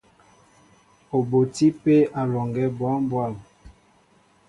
Ó botí pē alɔŋgɛ́ bwâm bwâm.